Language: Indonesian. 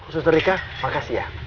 suster rika makasih ya